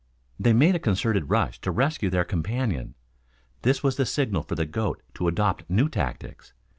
They made a concerted rush to rescue their companion. This was the signal for the goat to adopt new tactics.